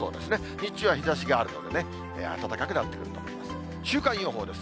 日中は日ざしがあるので、暖かくなってくると思います。